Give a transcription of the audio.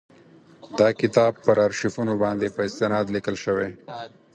دا کتاب پر آرشیفونو باندي په استناد لیکل شوی.